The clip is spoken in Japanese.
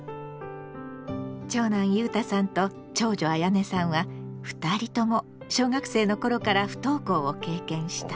長男ゆうたさんと長女あやねさんは２人とも小学生の頃から不登校を経験した。